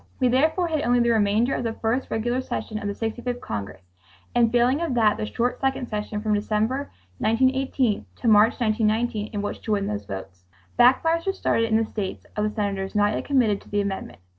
We therefore had only the remainder of the first regular session of the 65th Congress and, failing of that, the short second session from December, 1918, to March, 1919, in which to win those votes. Backfires were started in the states of the senators not yet committed to the amendment.